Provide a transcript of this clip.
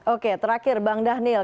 oke terakhir bang dhanil